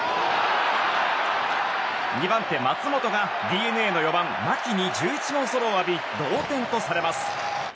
２番手、松本がＤｅＮＡの４番、牧に１１号ソロを浴び同点とされます。